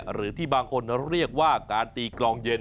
หรือที่บางคนเรียกว่าการตีกลองเย็น